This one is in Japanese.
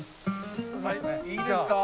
いいですか？